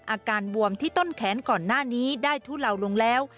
อาการบวมที่ต้นแขนก่อนหน้านี้ได้ทุเลาลงแล้ว